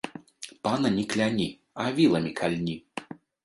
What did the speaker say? Пана не кляні, а віламі кальні